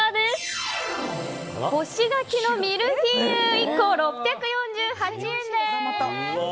干し柿のミルフィーユ１個６４８円です。